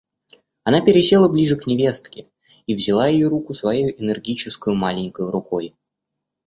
Она пересела ближе к невестке и взяла ее руку своею энергическою маленькою рукой.